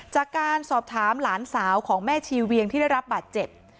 จากการสอบถามหลานสาวของแม่ชีเวียงที่ได้รับบาดเจ็บ